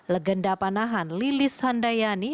legenda panahan lilis handayani